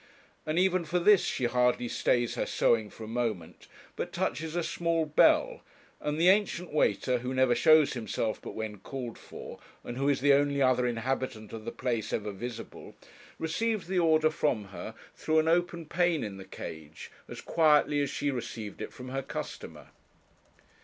And even for this she hardly stays her sewing for a moment, but touches a small bell, and the ancient waiter, who never shows himself but when called for, and who is the only other inhabitant of the place ever visible, receives the order from her through an open pane in the cage as quietly as she received it from her customer.